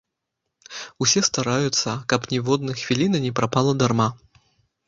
Усе стараюцца, каб ніводнай хвіліны не прапала дарма.